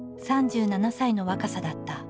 ３７歳の若さだった。